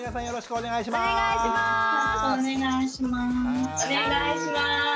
よろしくお願いします。